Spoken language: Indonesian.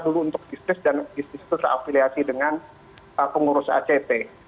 dugaan dugaan itu terkenal dulu untuk bisnis dan bisnis itu terafiliasi dengan pengurus act